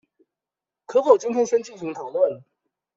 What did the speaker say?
可否今天先進行討論